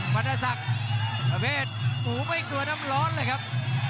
บรรณศักดิ์ประเภทหมูไม่กลัวน้ำร้อนเลยครับ